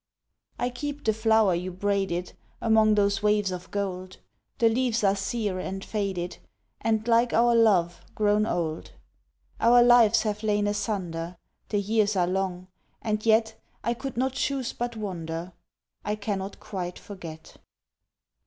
I keep the flower you braided Among those waves of gold, The leaves are sere and faded, And like our love grown old. Our lives have lain asunder, The years are long, and yet, I could not choose but wonder. I cannot quite forget. 1880.